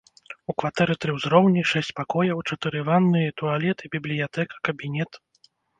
У кватэры тры ўзроўні, шэсць пакояў, чатыры ванныя і туалеты, бібліятэка, кабінет.